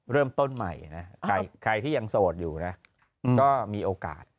เริ่มต้นใหม่นะใครที่ยังโสดอยู่นะก็มีโอกาส